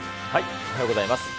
おはようございます。